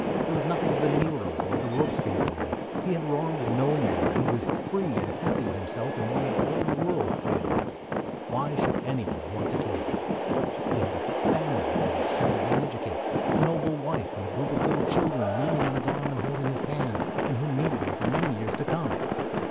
There was nothing of the Nero or the Robespierre in him. He had wronged no man. He was free and happy himself, and wanted all the world free and happy. Why should anyone want to kill him? He had a family to shepherd and educate, a noble wife and a group of little children leaning on his arm and holding his hand, and who needed him for many years to come.